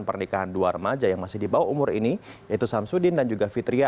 pernikahan dua remaja yang masih di bawah umur ini yaitu samsudin dan juga fitria